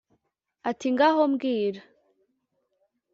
Ati “Ngaho mbwira.”